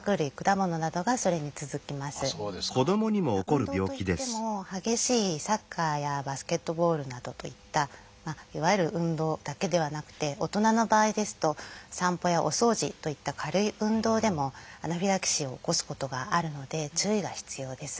運動といっても激しいサッカーやバスケットボールなどといったいわゆる運動だけではなくて大人の場合ですと散歩やお掃除といった軽い運動でもアナフィラキシーを起こすことがあるので注意が必要です。